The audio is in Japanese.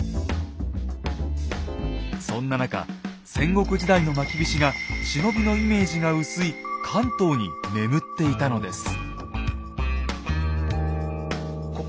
そんな中戦国時代のまきびしが忍びのイメージが薄い関東に眠っていたのです。